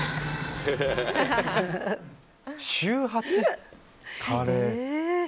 週８カレー？